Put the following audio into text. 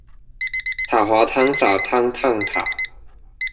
塔滑湯灑湯燙塔